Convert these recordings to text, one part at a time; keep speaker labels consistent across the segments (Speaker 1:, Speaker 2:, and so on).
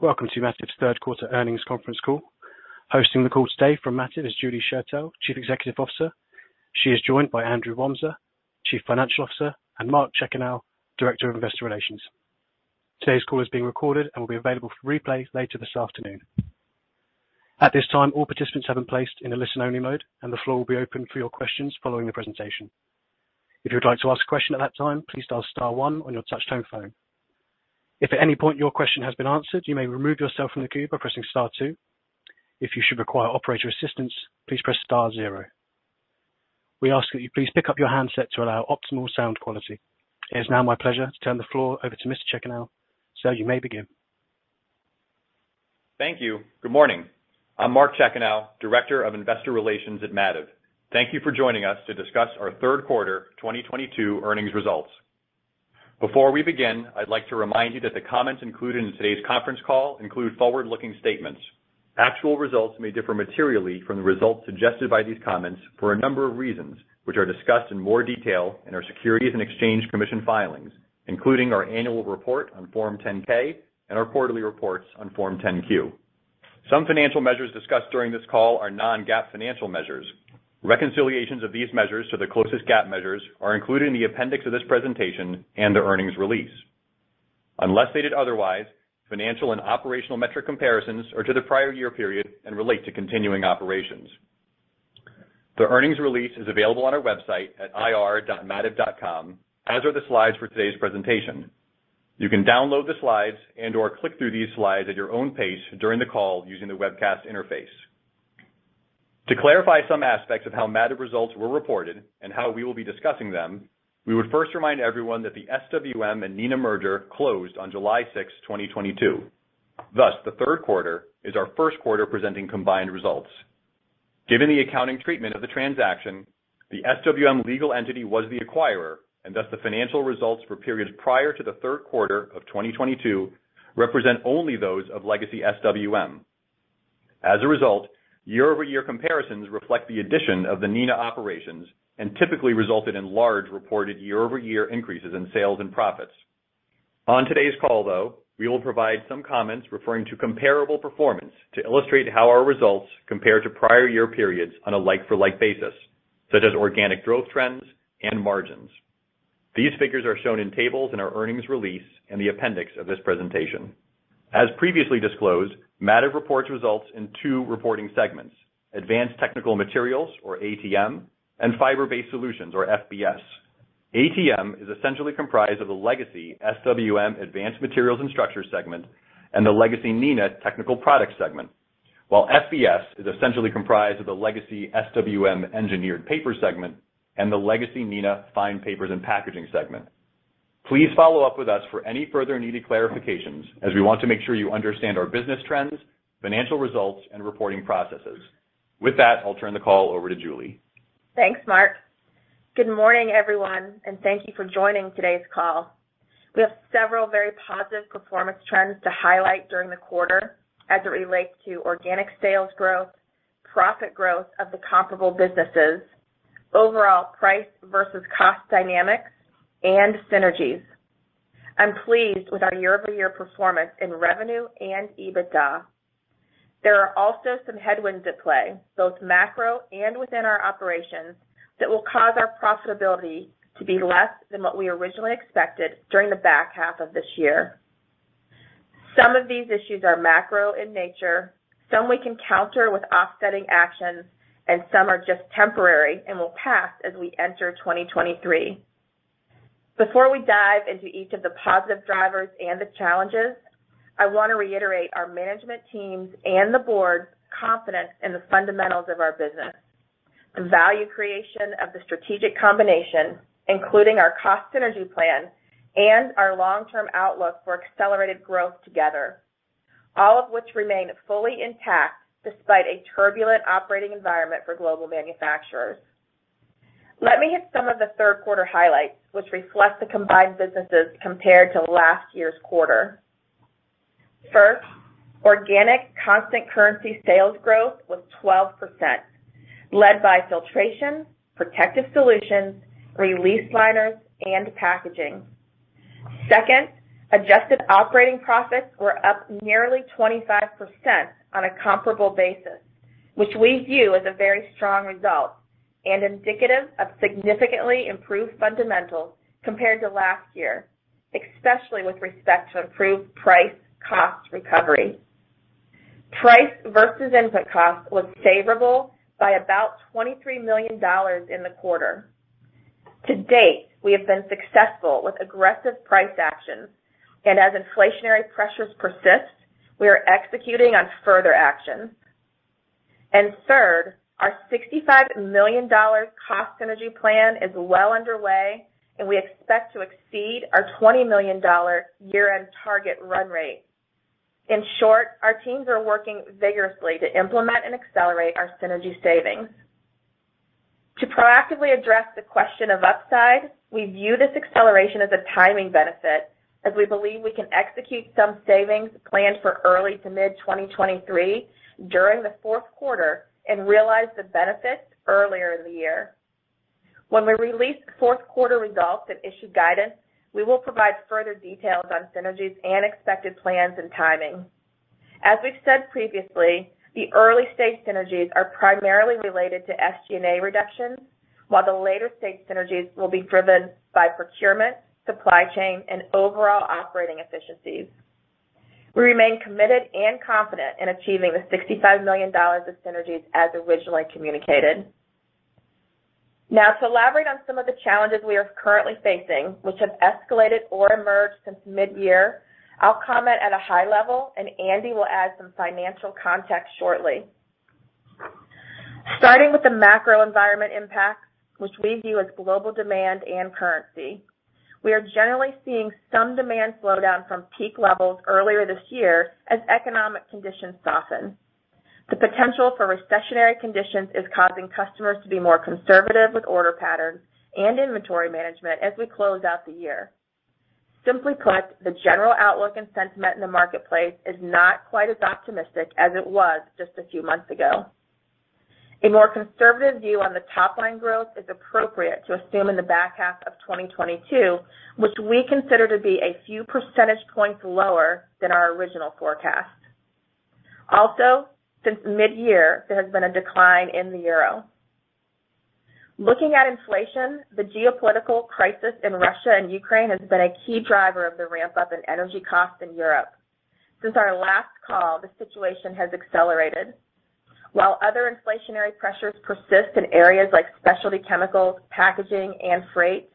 Speaker 1: Welcome to Mativ's third quarter earnings conference call. Hosting the call today from Mativ is Julie Schertell, Chief Executive Officer. She is joined by Andrew Wamser, Chief Financial Officer, and Mark Chekanow, Director of Investor Relations. Today's call is being recorded and will be available for replay later this afternoon. At this time, all participants have been placed in a listen-only mode, and the floor will be open for your questions following the presentation. If you would like to ask a question at that time, please dial star one on your touch-tone phone. If at any point your question has been answered, you may remove yourself from the queue by pressing star two. If you should require operator assistance, please press star zero. We ask that you please pick up your handset to allow optimal sound quality. It is now my pleasure to turn the floor over to Mr. Chekanow. Sir, you may begin.
Speaker 2: Thank you. Good morning. I'm Mark Chekanow, Director of Investor Relations at Mativ. Thank you for joining us to discuss our third quarter 2022 earnings results. Before we begin, I'd like to remind you that the comments included in today's conference call include forward-looking statements. Actual results may differ materially from the results suggested by these comments for a number of reasons, which are discussed in more detail in our Securities and Exchange Commission filings, including our annual report on Form 10-K and our quarterly reports on Form 10-Q. Some financial measures discussed during this call are non-GAAP financial measures. Reconciliations of these measures to the closest GAAP measures are included in the appendix of this presentation and the earnings release. Unless stated otherwise, financial and operational metric comparisons are to the prior year period and relate to continuing operations. The earnings release is available on our website at ir.mativ.com, as are the slides for today's presentation. You can download the slides and/or click through these slides at your own pace during the call using the webcast interface. To clarify some aspects of how Mativ results were reported and how we will be discussing them, we would first remind everyone that the SWM and Neenah merger closed on July 6, 2022. Thus, the third quarter is our first quarter presenting combined results. Given the accounting treatment of the transaction, the SWM legal entity was the acquirer, and thus the financial results for periods prior to the third quarter of 2022 represent only those of legacy SWM. As a result, year-over-year comparisons reflect the addition of the Neenah operations and typically resulted in large reported year-over-year increases in sales and profits. On today's call, though, we will provide some comments referring to comparable performance to illustrate how our results compare to prior year periods on a like-for-like basis, such as organic growth trends and margins. These figures are shown in tables in our earnings release in the appendix of this presentation. As previously disclosed, Mativ reports results in two reporting segments: Advanced Technical Materials or ATM, and Fiber-Based Solutions or FBS. ATM is essentially comprised of the legacy SWM Advanced Materials & Structures segment and the legacy Neenah Technical Products segment, while FBS is essentially comprised of the legacy SWM Engineered Papers segment and the legacy Neenah Fine Paper and Packaging segment. Please follow up with us for any further needed clarifications, as we want to make sure you understand our business trends, financial results, and reporting processes. With that, I'll turn the call over to Julie.
Speaker 3: Thanks, Mark. Good morning, everyone, and thank you for joining today's call. We have several very positive performance trends to highlight during the quarter as it relates to organic sales growth, profit growth of the comparable businesses, overall price versus cost dynamics, and synergies. I'm pleased with our year-over-year performance in revenue and EBITDA. There are also some headwinds at play, both macro and within our operations, that will cause our profitability to be less than what we originally expected during the back half of this year. Some of these issues are macro in nature, some we can counter with offsetting actions, and some are just temporary and will pass as we enter 2023. Before we dive into each of the positive drivers and the challenges, I want to reiterate our management teams and the board's confidence in the fundamentals of our business, the value creation of the strategic combination, including our cost synergy plan and our long-term outlook for accelerated growth together, all of which remain fully intact despite a turbulent operating environment for global manufacturers. Let me hit some of the third quarter highlights, which reflect the combined businesses compared to last year's quarter. First, organic constant currency sales growth was 12%, led by filtration, protective solutions, release liners, and packaging. Second, adjusted operating profits were up nearly 25% on a comparable basis, which we view as a very strong result and indicative of significantly improved fundamentals compared to last year, especially with respect to improved price cost recovery. Price versus input cost was favorable by about $23 million in the quarter. To date, we have been successful with aggressive price actions. As inflationary pressures persist, we are executing on further actions. Third, our $65 million cost synergy plan is well underway, and we expect to exceed our $20 million year-end target run rate. In short, our teams are working vigorously to implement and accelerate our synergy savings. To proactively address the question of upside, we view this acceleration as a timing benefit as we believe we can execute some savings planned for early to mid-2023 during the fourth quarter and realize the benefits earlier in the year. When we release fourth quarter results and issue guidance, we will provide further details on synergies and expected plans and timing. As we've said previously, the early-stage synergies are primarily related to SG&A reductions, while the later stage synergies will be driven by procurement, supply chain, and overall operating efficiencies. We remain committed and confident in achieving the $65 million of synergies as originally communicated. Now, to elaborate on some of the challenges we are currently facing, which have escalated or emerged since mid-year, I'll comment at a high level, and Andy will add some financial context shortly. Starting with the macro environment impact, which we view as global demand and currency, we are generally seeing some demand slowdown from peak levels earlier this year as economic conditions soften. The potential for recessionary conditions is causing customers to be more conservative with order patterns and inventory management as we close out the year. Simply put, the general outlook and sentiment in the marketplace is not quite as optimistic as it was just a few months ago. A more conservative view on the top line growth is appropriate to assume in the back half of 2022, which we consider to be a few percentage points lower than our original forecast. Also, since mid-year, there has been a decline in the euro. Looking at inflation, the geopolitical crisis in Russia and Ukraine has been a key driver of the ramp up in energy costs in Europe. Since our last call, the situation has accelerated. While other inflationary pressures persist in areas like specialty chemicals, packaging, and freight,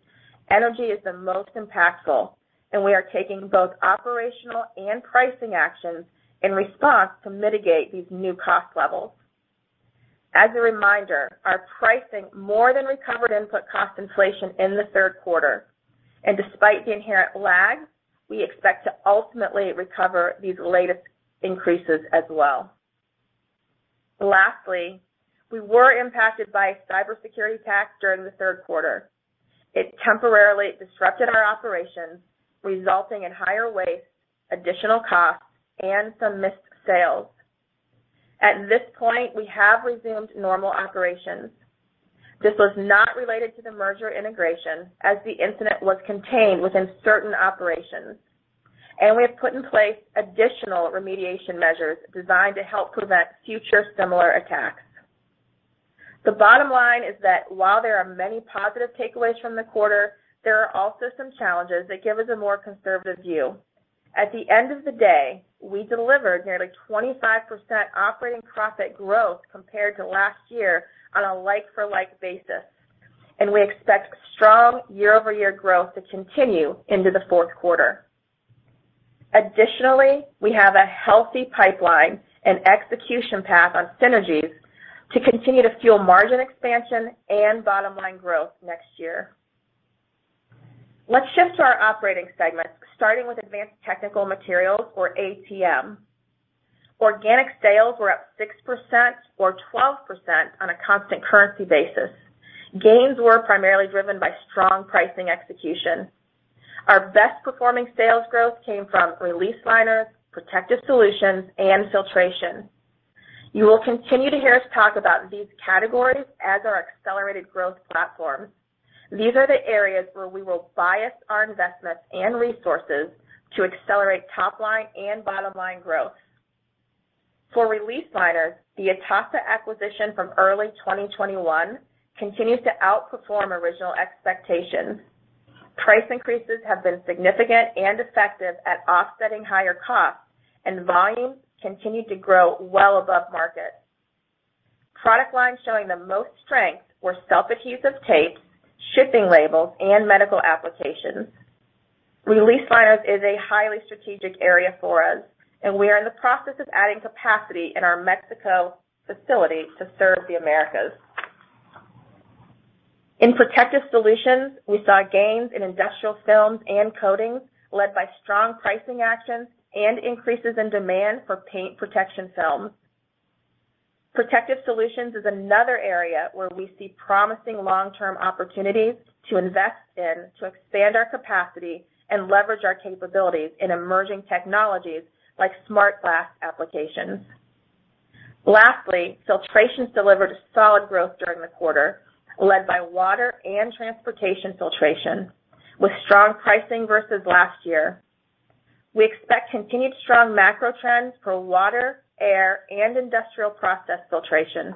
Speaker 3: energy is the most impactful, and we are taking both operational and pricing actions in response to mitigate these new cost levels. As a reminder, our pricing more than recovered input cost inflation in the third quarter, and despite the inherent lag, we expect to ultimately recover these latest increases as well. Lastly, we were impacted by a cybersecurity attack during the third quarter. It temporarily disrupted our operations, resulting in higher waste, additional costs, and some missed sales. At this point, we have resumed normal operations. This was not related to the merger integration, as the incident was contained within certain operations, and we have put in place additional remediation measures designed to help prevent future similar attacks. The bottom line is that while there are many positive takeaways from the quarter, there are also some challenges that give us a more conservative view. At the end of the day, we delivered nearly 25% operating profit growth compared to last year on a like-for-like basis, and we expect strong year-over-year growth to continue into the fourth quarter. Additionally, we have a healthy pipeline and execution path on synergies to continue to fuel margin expansion and bottom line growth next year. Let's shift to our operating segments, starting with Advanced Technical Materials, or ATM. Organic sales were up 6% or 12% on a constant currency basis. Gains were primarily driven by strong pricing execution. Our best performing sales growth came from release liners, protective solutions, and filtration. You will continue to hear us talk about these categories as our accelerated growth platform. These are the areas where we will bias our investments and resources to accelerate top line and bottom line growth. For release liners, the Itasa acquisition from early 2021 continues to outperform original expectations. Price increases have been significant and effective at offsetting higher costs, and volumes continued to grow well above market. Product lines showing the most strength were self-adhesive tapes, shipping labels, and medical applications. Release liners is a highly strategic area for us, and we are in the process of adding capacity in our Mexico facility to serve the Americas. In Protective Solutions, we saw gains in industrial films and coatings led by strong pricing actions and increases in demand for paint protection films. Protective Solutions is another area where we see promising long-term opportunities to invest in to expand our capacity and leverage our capabilities in emerging technologies like smart glass applications. Lastly, Filtration delivered a solid growth during the quarter, led by water and transportation filtration, with strong pricing versus last year. We expect continued strong macro trends for water, air, and industrial process filtration.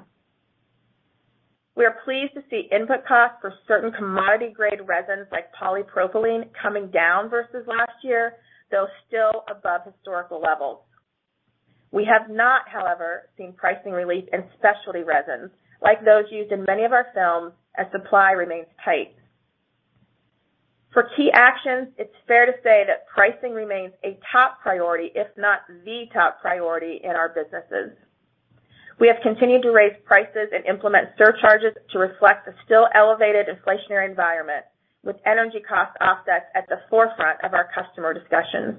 Speaker 3: We are pleased to see input costs for certain commodity-grade resins like polypropylene coming down versus last year, though still above historical levels. We have not, however, seen pricing relief in specialty resins, like those used in many of our films, as supply remains tight. For key actions, it's fair to say that pricing remains a top priority, if not the top priority in our businesses. We have continued to raise prices and implement surcharges to reflect the still elevated inflationary environment with energy cost offsets at the forefront of our customer discussions.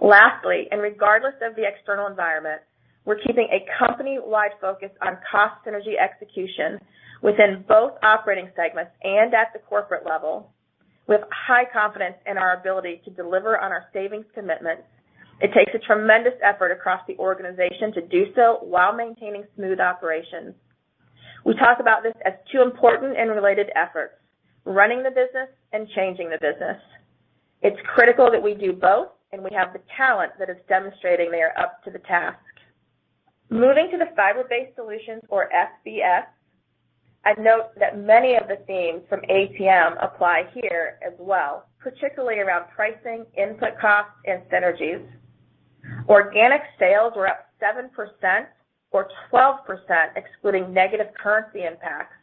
Speaker 3: Lastly, regardless of the external environment, we're keeping a company-wide focus on cost synergy execution within both operating segments and at the corporate level. With high confidence in our ability to deliver on our savings commitment, it takes a tremendous effort across the organization to do so while maintaining smooth operations. We talk about this as two important and related efforts, running the business and changing the business. It's critical that we do both, and we have the talent that is demonstrating they are up to the task. Moving to the Fiber-Based Solutions or FBS, I'd note that many of the themes from ATM apply here as well, particularly around pricing, input costs, and synergies. Organic sales were up 7% or 12% excluding negative currency impacts.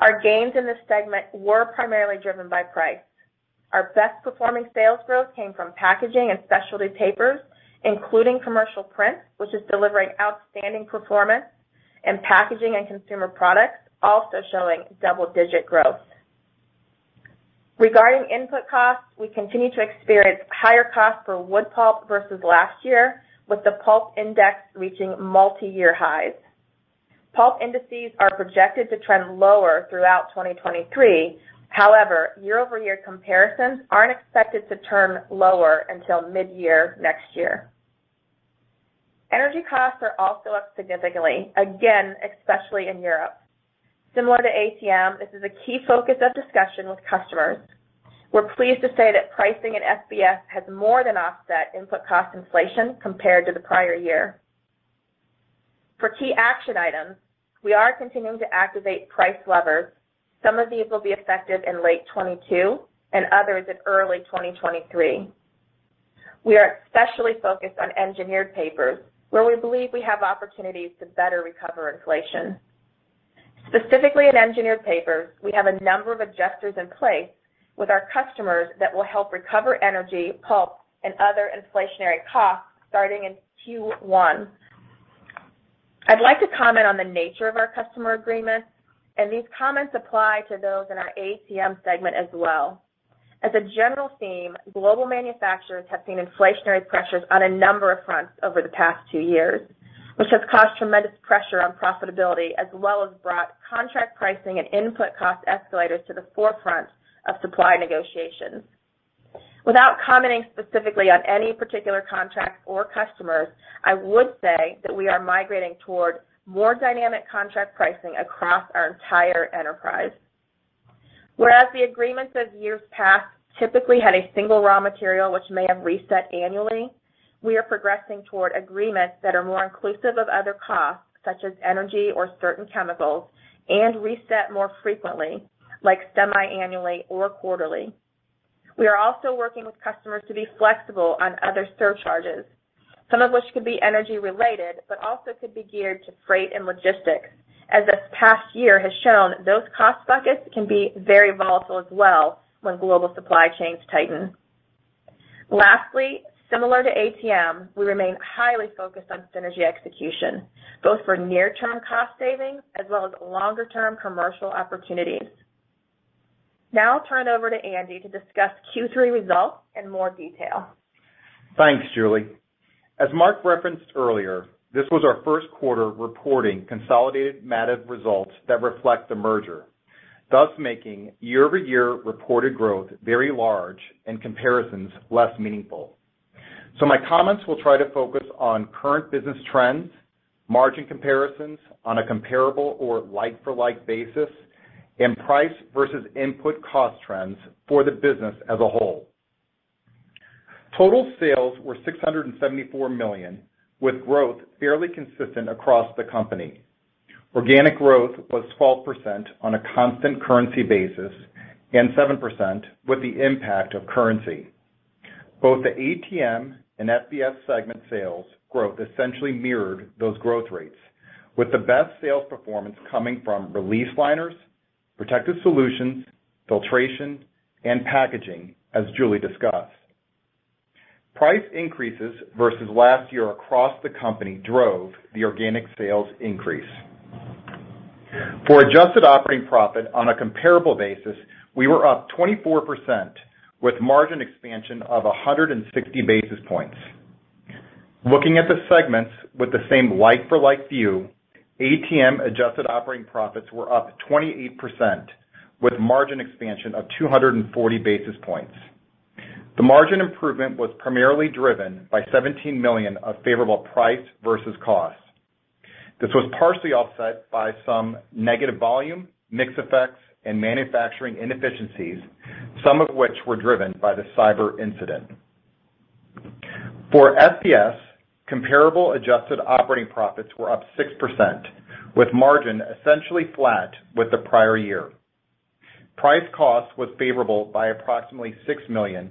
Speaker 3: Our gains in this segment were primarily driven by price. Our best-performing sales growth came from Packaging and Specialty Papers, including commercial print, which is delivering outstanding performance, and packaging and consumer products also showing double-digit growth. Regarding input costs, we continue to experience higher costs for wood pulp versus last year, with the pulp index reaching multi-year highs. Pulp indices are projected to trend lower throughout 2023. However, year-over-year comparisons aren't expected to turn lower until mid-year next year. Energy costs are also up significantly, again, especially in Europe. Similar to ATM, this is a key focus of discussion with customers. We're pleased to say that pricing in FBS has more than offset input cost inflation compared to the prior year. For key action items, we are continuing to activate price levers. Some of these will be effective in late 2022, and others in early 2023. We are especially focused on Engineered Papers, where we believe we have opportunities to better recover inflation. Specifically in Engineered Papers, we have a number of adjusters in place with our customers that will help recover energy, pulp, and other inflationary costs starting in Q1. I'd like to comment on the nature of our customer agreements, and these comments apply to those in our ATM segment as well. As a general theme, global manufacturers have seen inflationary pressures on a number of fronts over the past two years, which has caused tremendous pressure on profitability as well as brought contract pricing and input cost escalators to the forefront of supply negotiations. Without commenting specifically on any particular contract or customers, I would say that we are migrating toward more dynamic contract pricing across our entire enterprise. Whereas the agreements of years past typically had a single raw material which may have reset annually, we are progressing toward agreements that are more inclusive of other costs, such as energy or certain chemicals, and reset more frequently, like semiannually or quarterly. We are also working with customers to be flexible on other surcharges, some of which could be energy-related, but also could be geared to freight and logistics. As this past year has shown, those cost buckets can be very volatile as well when global supply chains tighten. Lastly, similar to ATM, we remain highly focused on synergy execution, both for near-term cost savings as well as longer-term commercial opportunities. Now I'll turn it over to Andy to discuss Q3 results in more detail.
Speaker 4: Thanks, Julie. As Mark referenced earlier, this was our first quarter reporting consolidated Mativ results that reflect the merger, thus making year-over-year reported growth very large and comparisons less meaningful. My comments will try to focus on current business trends, margin comparisons on a comparable or like-for-like basis, and price versus input cost trends for the business as a whole. Total sales were $674 million, with growth fairly consistent across the company. Organic growth was 12% on a constant currency basis, and 7% with the impact of currency. Both the ATM and FBS segment sales growth essentially mirrored those growth rates, with the best sales performance coming from release liners, protective solutions, filtration, and packaging, as Julie discussed. Price increases versus last year across the company drove the organic sales increase. For adjusted operating profit on a comparable basis, we were up 24% with margin expansion of 160 basis points. Looking at the segments with the same like-for-like view, ATM-adjusted operating profits were up 28% with margin expansion of 240 basis points. The margin improvement was primarily driven by $17 million of favorable price versus cost. This was partially offset by some negative volume, mix effects, and manufacturing inefficiencies, some of which were driven by the cyber incident. For FBS, comparable adjusted operating profits were up 6%, with margin essentially flat with the prior year. Price cost was favorable by approximately $6 million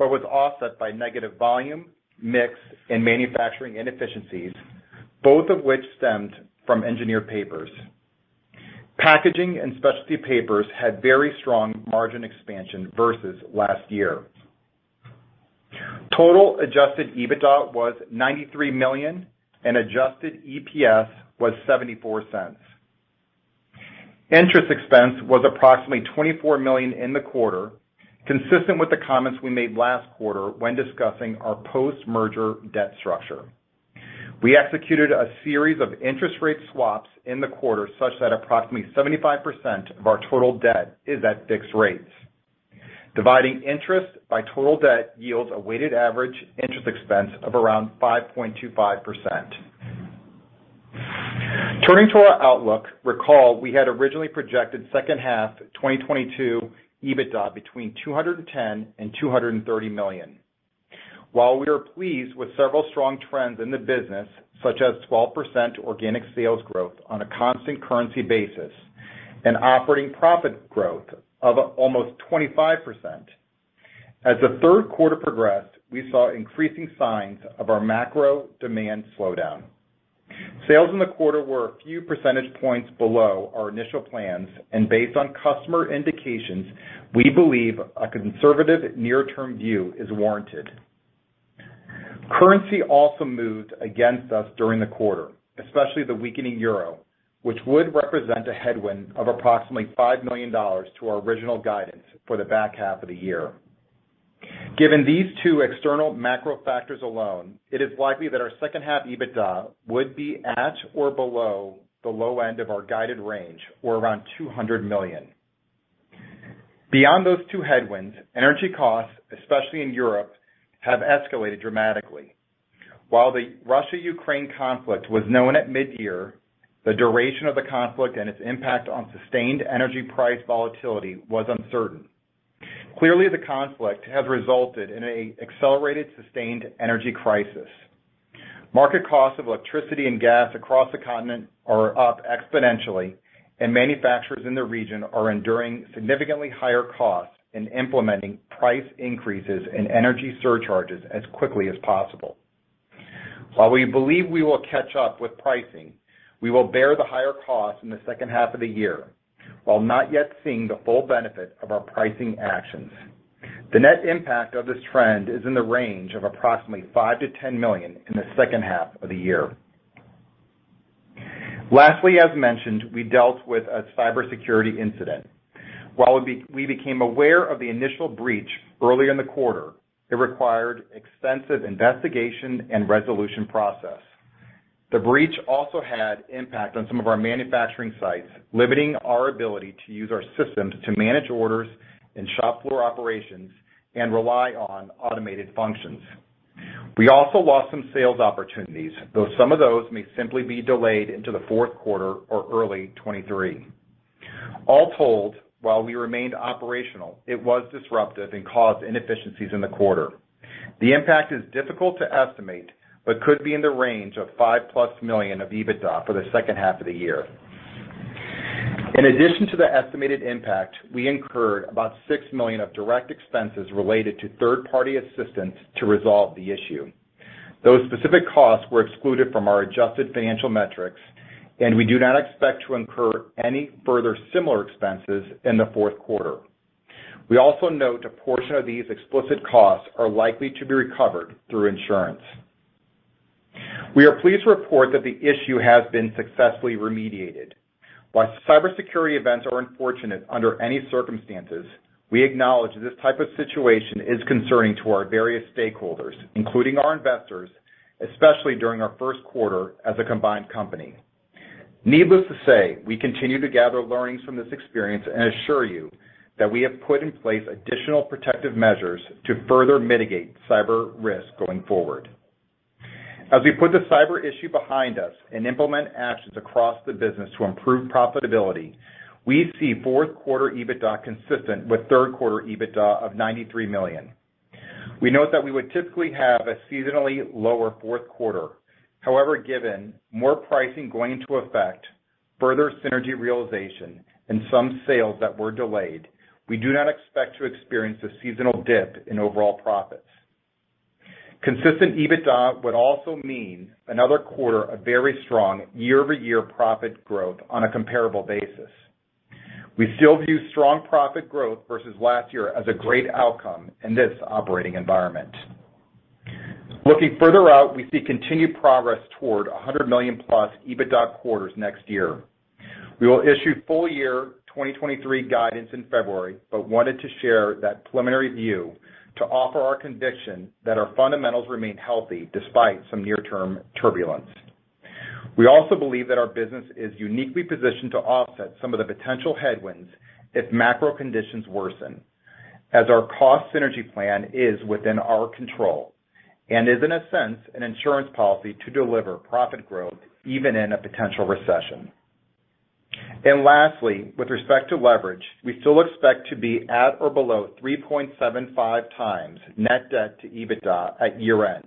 Speaker 4: but was offset by negative volume, mix, and manufacturing inefficiencies, both of which stemmed from Engineered Papers. Packaging and Specialty Papers had very strong margin expansion versus last year. Total Adjusted EBITDA was $93 million, and Adjusted EPS was $0.74. Interest expense was approximately $24 million in the quarter, consistent with the comments we made last quarter when discussing our post-merger debt structure. We executed a series of interest rate swaps in the quarter such that approximately 75% of our total debt is at fixed rates. Dividing interest by total debt yields a weighted average interest expense of around 5.25%. Turning to our outlook, recall we had originally projected second half 2022 EBITDA between $210 million and $230 million. While we are pleased with several strong trends in the business, such as 12% organic sales growth on a constant currency basis and operating profit growth of almost 25%, as the third quarter progressed, we saw increasing signs of our macro demand slowdown. Sales in the quarter were a few percentage points below our initial plans, and based on customer indications, we believe a conservative near-term view is warranted. Currency also moved against us during the quarter, especially the weakening euro, which would represent a headwind of approximately $5 million to our original guidance for the back half of the year. Given these two external macro factors alone, it is likely that our second half EBITDA would be at or below the low end of our guided range, or around $200 million. Beyond those two headwinds, energy costs, especially in Europe, have escalated dramatically. While the Russia-Ukraine conflict was known at mid-year, the duration of the conflict and its impact on sustained energy price volatility was uncertain. Clearly, the conflict has resulted in an accelerated, sustained energy crisis. Market costs of electricity and gas across the continent are up exponentially, and manufacturers in the region are enduring significantly higher costs in implementing price increases and energy surcharges as quickly as possible. While we believe we will catch up with pricing, we will bear the higher costs in the second half of the year, while not yet seeing the full benefit of our pricing actions. The net impact of this trend is in the range of approximately $5 million-$10 million in the second half of the year. Lastly, as mentioned, we dealt with a cybersecurity incident. While we became aware of the initial breach early in the quarter, it required extensive investigation and resolution process. The breach also had impact on some of our manufacturing sites, limiting our ability to use our systems to manage orders and shop floor operations and rely on automated functions. We also lost some sales opportunities, though some of those may simply be delayed into the fourth quarter or early 2023. All told, while we remained operational, it was disruptive and caused inefficiencies in the quarter. The impact is difficult to estimate, but could be in the range of $5 million+ of EBITDA for the second half of the year. In addition to the estimated impact, we incurred about $6 million of direct expenses related to third-party assistance to resolve the issue. Those specific costs were excluded from our adjusted financial metrics, and we do not expect to incur any further similar expenses in the fourth quarter. We also note a portion of these explicit costs are likely to be recovered through insurance. We are pleased to report that the issue has been successfully remediated. While cybersecurity events are unfortunate under any circumstances, we acknowledge that this type of situation is concerning to our various stakeholders, including our investors, especially during our first quarter as a combined company. Needless to say, we continue to gather learnings from this experience and assure you that we have put in place additional protective measures to further mitigate cyber risk going forward. As we put the cyber issue behind us and implement actions across the business to improve profitability, we see fourth quarter EBITDA consistent with third quarter EBITDA of $93 million. We note that we would typically have a seasonally lower fourth quarter. However, given more pricing going into effect, further synergy realization, and some sales that were delayed, we do not expect to experience a seasonal dip in overall profits. Consistent EBITDA would also mean another quarter of very strong year-over-year profit growth on a comparable basis. We still view strong profit growth versus last year as a great outcome in this operating environment. Looking further out, we see continued progress toward 100 million-plus EBITDA quarters next year. We will issue full year 2023 guidance in February, but wanted to share that preliminary view to offer our conviction that our fundamentals remain healthy despite some near-term turbulence. We also believe that our business is uniquely positioned to offset some of the potential headwinds if macro conditions worsen as our cost synergy plan is within our control and is, in a sense, an insurance policy to deliver profit growth even in a potential recession. Lastly, with respect to leverage, we still expect to be at or below 3.75x net debt to EBITDA at year-end.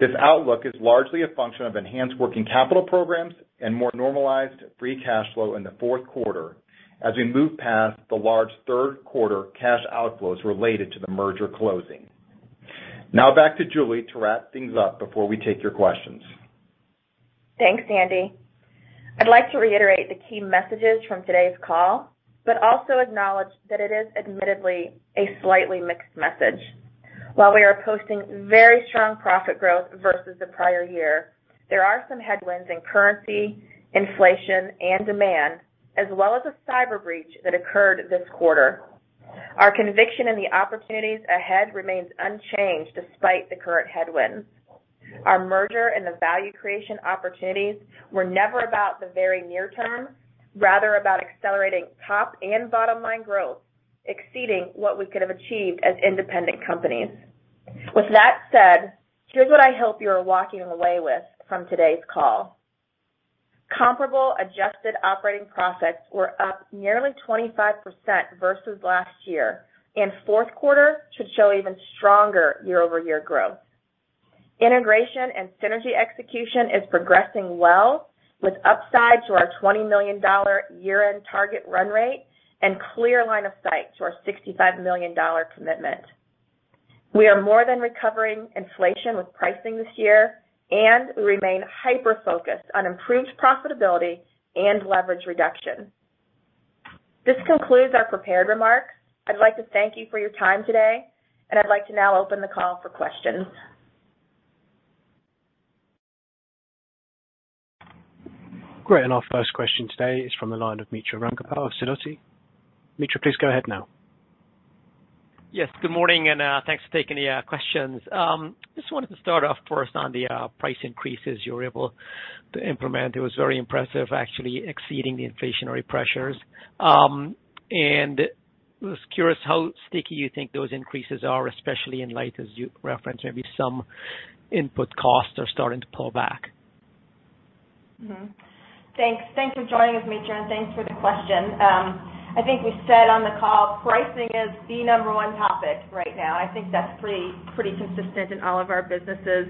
Speaker 4: This outlook is largely a function of enhanced working capital programs and more normalized free cash flow in the fourth quarter as we move past the large third quarter cash outflows related to the merger closing. Now back to Julie to wrap things up before we take your questions.
Speaker 3: Thanks, Andy. I'd like to reiterate the key messages from today's call, but also acknowledge that it is admittedly a slightly mixed message. While we are posting very strong profit growth versus the prior year, there are some headwinds in currency, inflation, and demand, as well as a cyber breach that occurred this quarter. Our conviction in the opportunities ahead remains unchanged despite the current headwinds. Our merger and the value creation opportunities were never about the very near term, rather about accelerating top and bottom-line growth, exceeding what we could have achieved as independent companies. With that said, here's what I hope you are walking away with from today's call. Comparable adjusted operating profits were up nearly 25% versus last year, and fourth quarter should show even stronger year-over-year growth. Integration and synergy execution is progressing well with upside to our $20 million year-end target run rate and clear line of sight to our $65 million commitment. We are more than recovering inflation with pricing this year, and we remain hyper-focused on improved profitability and leverage reduction. This concludes our prepared remarks. I'd like to thank you for your time today, and I'd like to now open the call for questions.
Speaker 1: Great. Our first question today is from the line of Mitra Ramgopal of Sidoti. Mitra, please go ahead now.
Speaker 5: Yes, good morning, and thanks for taking the questions. Just wanted to start off first on the price increases you were able to implement. It was very impressive, actually exceeding the inflationary pressures. Was curious how sticky you think those increases are, especially in light of as you referenced, maybe some input costs are starting to pull back.
Speaker 3: Thanks. Thank you for joining us, Mitra, and thanks for the question. I think we said on the call, pricing is the number one topic right now. I think that's pretty consistent in all of our businesses.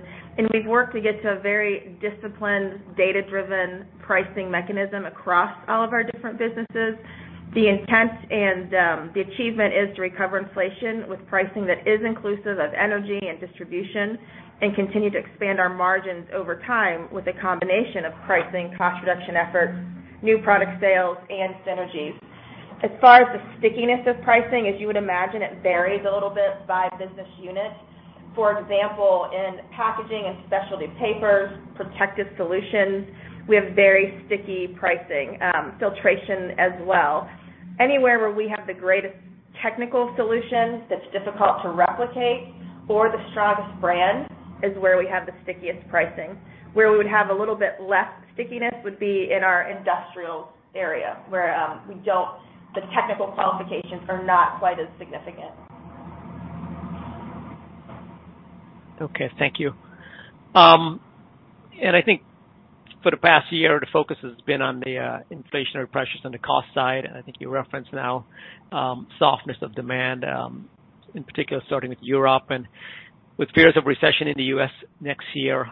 Speaker 3: We've worked to get to a very disciplined, data-driven pricing mechanism across all of our different businesses. The intent and the achievement is to recover inflation with pricing that is inclusive of energy and distribution and continue to expand our margins over time with a combination of pricing, cost reduction efforts, new product sales, and synergies. As far as the stickiness of pricing, as you would imagine, it varies a little bit by business unit. For example, in Packaging and Specialty Papers, protective solutions, we have very sticky pricing, filtration as well. Anywhere where we have the greatest technical solutions that's difficult to replicate or the strongest brand is where we have the stickiest pricing. Where we would have a little bit less stickiness would be in our industrial area, where the technical qualifications are not quite as significant.
Speaker 5: Okay. Thank you. I think for the past year, the focus has been on the inflationary pressures on the cost side, and I think you referenced now softness of demand, in particular starting with Europe and with fears of recession in the U.S. next year,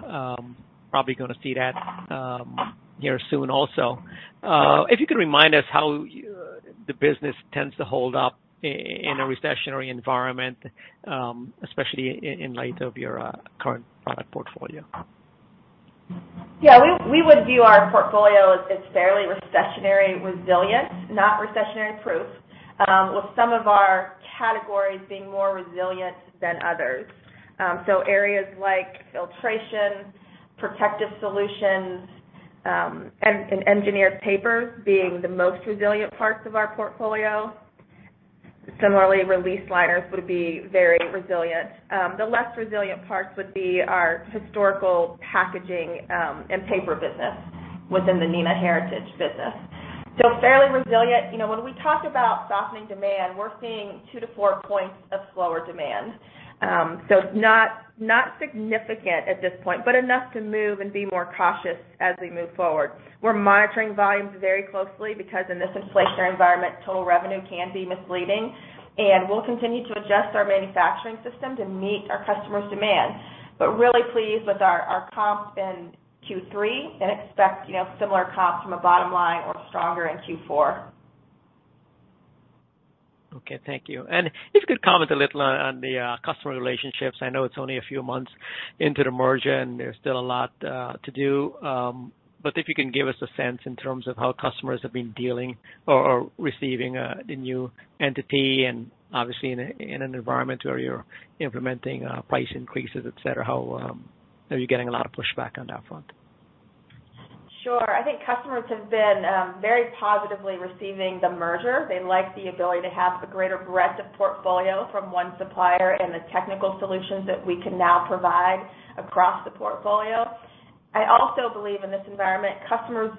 Speaker 5: probably gonna see that here soon also. If you could remind us how the business tends to hold up in a recessionary environment, especially in light of your current product portfolio?
Speaker 3: Yeah. We would view our portfolio as fairly recessionary resilient, not recessionary proof, with some of our categories being more resilient than others. Areas like filtration, protective solutions, and Engineered Papers being the most resilient parts of our portfolio. Similarly, release liners would be very resilient. The less resilient parts would be our historical packaging and paper business within the Neenah Heritage business. Fairly resilient. You know, when we talk about softening demand, we're seeing two to four points of slower demand. Not significant at this point, but enough to move and be more cautious as we move forward. We're monitoring volumes very closely because in this inflationary environment, total revenue can be misleading, and we'll continue to adjust our manufacturing system to meet our customers' demand. Really pleased with our comps in Q3 and expect, you know, similar comps from a bottom line or stronger in Q4.
Speaker 5: Okay. Thank you. If you could comment a little on the customer relationships. I know it's only a few months into the merger, and there's still a lot to do. But if you can give us a sense in terms of how customers have been dealing or receiving the new entity and obviously in an environment where you're implementing price increases, et cetera, how are you getting a lot of pushback on that front?
Speaker 3: Sure. I think customers have been very positively receiving the merger. They like the ability to have a greater breadth of portfolio from one supplier and the technical solutions that we can now provide across the portfolio. I also believe in this environment, customers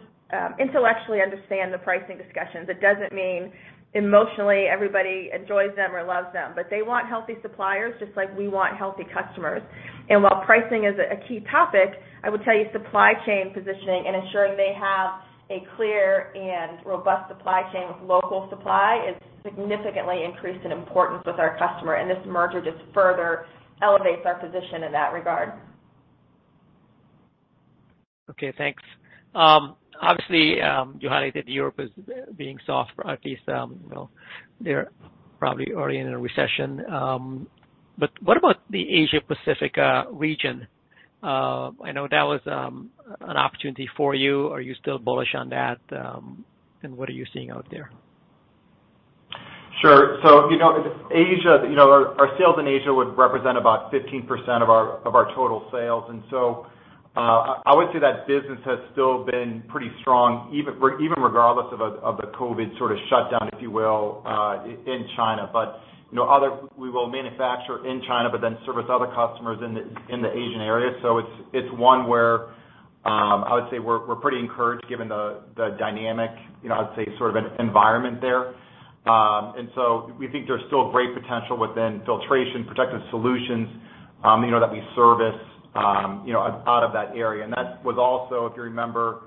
Speaker 3: intellectually understand the pricing discussions. It doesn't mean emotionally everybody enjoys them or loves them. They want healthy suppliers just like we want healthy customers. While pricing is a key topic, I would tell you supply chain positioning and ensuring they have a clear and robust supply chain with local supply is significantly increased in importance with our customer, and this merger just further elevates our position in that regard.
Speaker 5: Okay, thanks. Obviously, you highlighted Europe as being soft, or at least, you know, they're probably already in a recession. What about the Asia Pacific region? I know that was an opportunity for you. Are you still bullish on that? What are you seeing out there?
Speaker 4: Sure. You know, Asia, you know, our sales in Asia would represent about 15% of our total sales. And so I would say that business has still been pretty strong, even regardless of a COVID sort of shutdown, if you will, in China. You know, we will manufacture in China, but then service other customers in the Asian area. It's one where I would say we're pretty encouraged given the dynamic, you know, I would say sort of environment there. We think there's still great potential within filtration, protective solutions, you know, that we service out of that area. That was also, if you remember,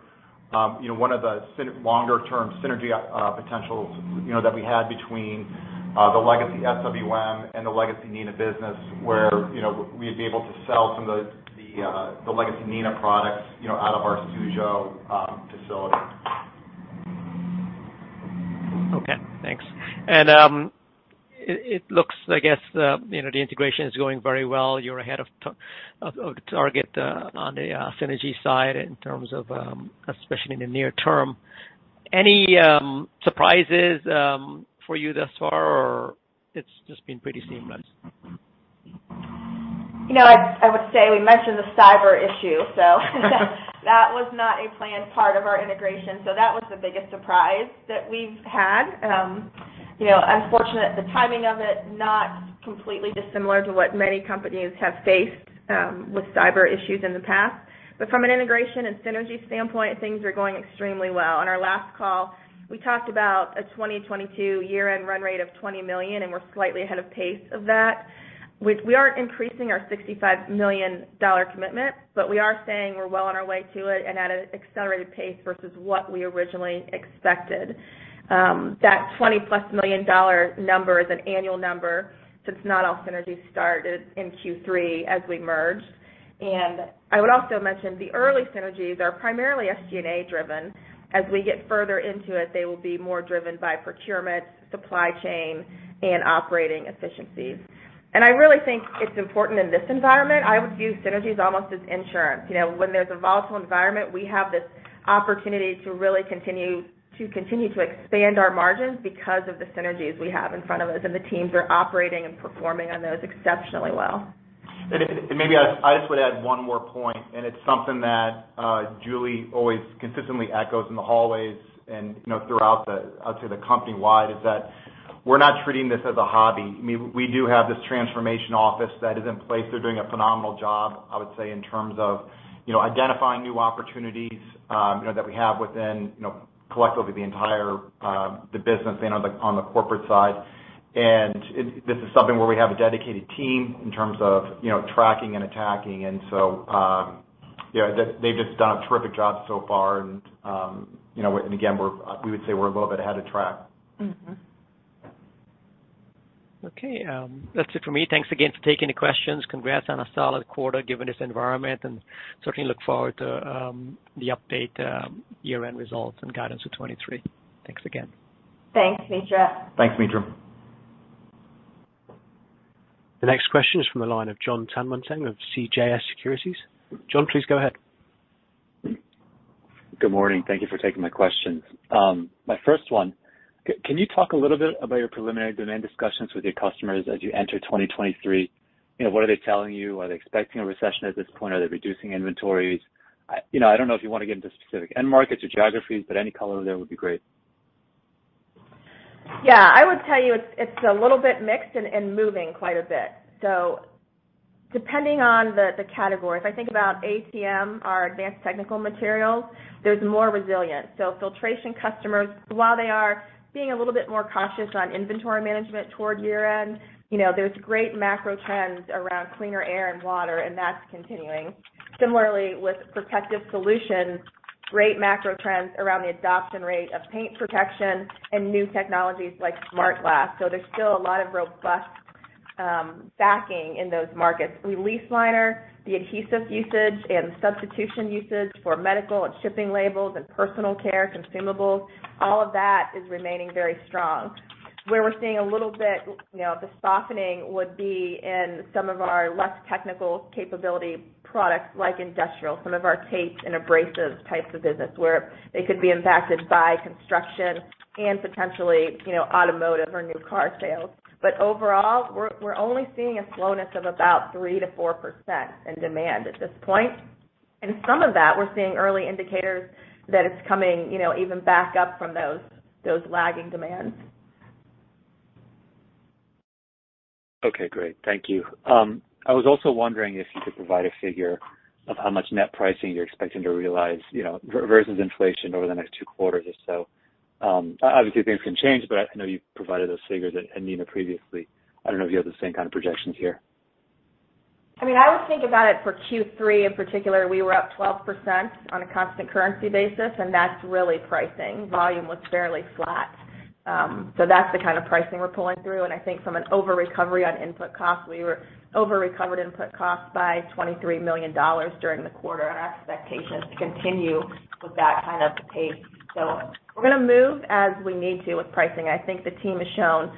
Speaker 4: you know, one of the longer term synergy potentials, you know, that we had between the legacy SWM and the legacy Neenah business, where, you know, we'd be able to sell some of the legacy Neenah products, you know, out of our Suzhou facility.
Speaker 5: Okay, thanks. It looks, I guess, you know, the integration is going very well. You're ahead of the target on the synergy side in terms of especially in the near term. Any surprises for you thus far, or it's just been pretty seamless?
Speaker 3: You know, I would say we mentioned the cyber issue, so that was not a planned part of our integration. That was the biggest surprise that we've had. You know, unfortunate, the timing of it, not completely dissimilar to what many companies have faced with cyber issues in the past. From an integration and synergy standpoint, things are going extremely well. On our last call, we talked about a 2022 year-end run rate of $20 million, and we're slightly ahead of pace of that. We aren't increasing our $65 million commitment, but we are saying we're well on our way to it and at an accelerated pace versus what we originally expected. That $20 million+ number is an annual number, since not all synergies started in Q3 as we merged. I would also mention the early synergies are primarily SG&A driven. As we get further into it, they will be more driven by procurement, supply chain, and operating efficiencies. I really think it's important in this environment. I would view synergies almost as insurance. You know, when there's a volatile environment, we have this opportunity to really continue to expand our margins because of the synergies we have in front of us, and the teams are operating and performing on those exceptionally well.
Speaker 4: Maybe I just would add one more point, and it's something that Julie always consistently echoes in the hallways and, you know, throughout the, I would say, company-wide is that we're not treating this as a hobby. I mean, we do have this transformation office that is in place. They're doing a phenomenal job, I would say, in terms of, you know, identifying new opportunities, you know, that we have within, you know, collectively the entire the business and on the, on the corporate side. This is something where we have a dedicated team in terms of, you know, tracking and attacking. So, you know, they've just done a terrific job so far. And, you know, and again, we would say we're a little bit ahead of track.
Speaker 3: Mm-hmm.
Speaker 5: Okay. That's it for me. Thanks again for taking the questions. Congrats on a solid quarter given this environment. Certainly look forward to the update, year-end results and guidance for 2023. Thanks again.
Speaker 3: Thanks, Mitra.
Speaker 4: Thanks, Mitra.
Speaker 1: The next question is from the line of Jon Tanwanteng of CJS Securities. Jon, please go ahead.
Speaker 6: Good morning. Thank you for taking my questions. My first one, can you talk a little bit about your preliminary demand discussions with your customers as you enter 2023? You know, what are they telling you? Are they expecting a recession at this point? Are they reducing inventories? You know, I don't know if you wanna get into specific end markets or geographies, but any color there would be great.
Speaker 3: Yeah. I would tell you it's a little bit mixed and moving quite a bit. Depending on the category, if I think about ATM, our advanced technical materials, there's more resilience. Filtration customers, while they are being a little bit more cautious on inventory management toward year-end, you know, there's great macro trends around cleaner air and water, and that's continuing. Similarly, with protective solutions, great macro trends around the adoption rate of paint protection and new technologies like smart glass. There's still a lot of robust backing in those markets. Release liner, the adhesive usage and substitution usage for medical and shipping labels and personal care consumables, all of that is remaining very strong. Where we're seeing a little bit, you know, the softening would be in some of our less technical capability products like industrial, some of our tapes and abrasives types of business where they could be impacted by construction and potentially, you know, automotive or new car sales. But overall, we're only seeing a slowness of about 3%-4% in demand at this point. Some of that we're seeing early indicators that it's coming, you know, even back up from those lagging demands.
Speaker 6: Okay, great. Thank you. I was also wondering if you could provide a figure of how much net pricing you're expecting to realize, you know, versus inflation over the next two quarters or so. Obviously things can change, but I know you provided those figures at Neenah previously. I don't know if you have the same kind of projections here.
Speaker 3: I mean, I would think about it for Q3 in particular. We were up 12% on a constant currency basis, and that's really pricing. Volume was fairly flat. That's the kind of pricing we're pulling through, and I think from an over recovery on input costs, we were over recovered input costs by $23 million during the quarter, and our expectation is to continue with that kind of pace. We're gonna move as we need to with pricing. I think the team has shown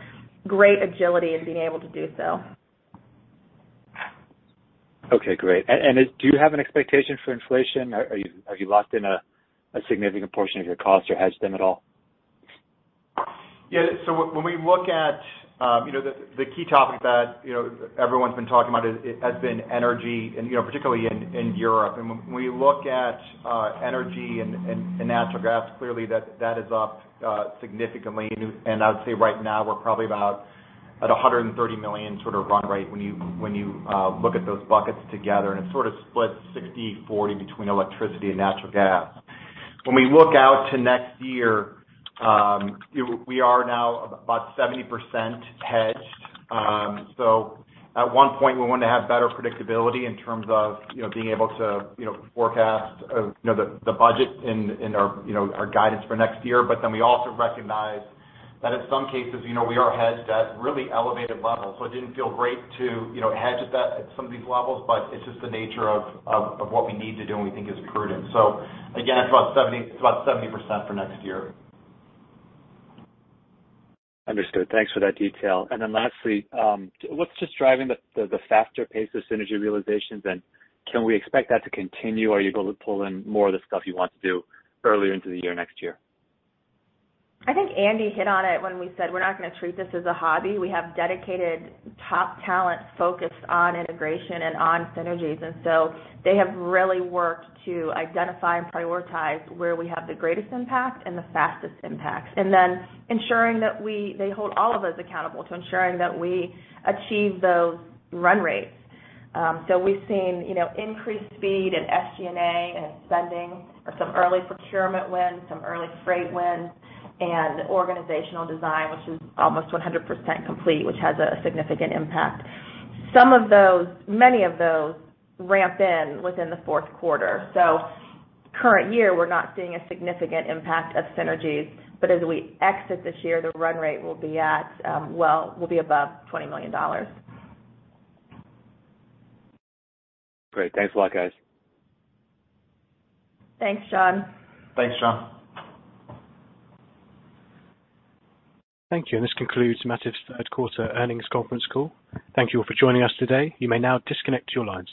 Speaker 3: great agility in being able to do so.
Speaker 6: Okay, great. Do you have an expectation for inflation? Are you locked in a significant portion of your cost or hedged them at all?
Speaker 4: Yeah. When we look at you know, the key topic that you know, everyone's been talking about has been energy and you know, particularly in Europe. When we look at energy and natural gas, clearly that is up significantly. I would say right now we're probably about at $130 million sort of run rate when you look at those buckets together, and it's sort of split 60/40 between electricity and natural gas. When we look out to next year, we are now about 70% hedged. At one point, we wanted to have better predictability in terms of you know, being able to you know, forecast you know, the budget and our you know, our guidance for next year. We also recognize that in some cases, you know, we are hedged at really elevated levels. It didn't feel great to, you know, hedge at that, at some of these levels, but it's just the nature of what we need to do and we think is prudent. Again, it's about 70% for next year.
Speaker 6: Understood. Thanks for that detail. Lastly, what's just driving the faster pace of synergy realizations, and can we expect that to continue? Are you able to pull in more of the stuff you want to do earlier into the year, next year?
Speaker 3: I think Andy hit on it when we said we're not gonna treat this as a hobby. We have dedicated top talent focused on integration and on synergies. They have really worked to identify and prioritize where we have the greatest impact and the fastest impact. They hold all of us accountable to ensuring that we achieve those run rates. We've seen, you know, increased speed in SG&A and spending, some early procurement wins, some early freight wins, and organizational design, which is almost 100% complete, which has a significant impact. Some of those, many of those ramp in within the fourth quarter. Current year, we're not seeing a significant impact of synergies, but as we exit this year, the run rate will be at, well, above $20 million.
Speaker 6: Great. Thanks a lot, guys.
Speaker 3: Thanks, Jon.
Speaker 4: Thanks, Jon.
Speaker 1: Thank you. This concludes Mativ's third quarter earnings conference call. Thank you all for joining us today. You may now disconnect your lines.